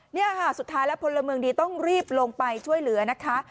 นี่ค่ะสุดท้ายแล้วพลเมืองดีต้องรีบลงไปช่วยเหลือนะคะ